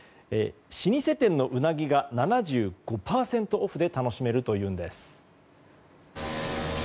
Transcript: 老舗店のウナギが７５％オフで楽しめるというんです。